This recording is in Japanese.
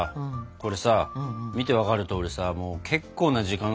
これさ見て分かるとおりさもう結構な時間がかかるわけよ。